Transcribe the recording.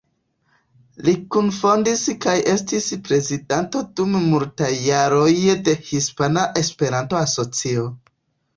Li kunfondis kaj estis prezidanto dum multaj jaroj de Hispana Esperanto-Asocio.